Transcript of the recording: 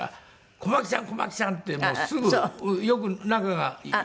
「小巻ちゃん小巻ちゃん」ってもうすぐよく仲が。